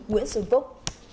nguyễn xuân phúc